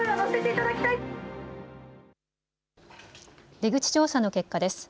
出口調査の結果です。